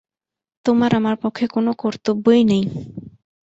তোমার আমার পক্ষে কোন কর্তব্যই নাই।